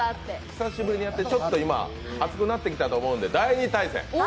久しぶりにやってちょっと熱くなってきたと思うんで、第２対戦。